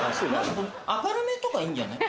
明るめとかいいんじゃない？